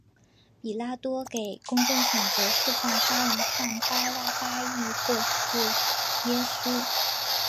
比拉多给公众选择释放杀人犯巴辣巴抑或是耶稣。